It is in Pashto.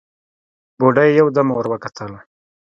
بوډۍ يودم ور وکتل: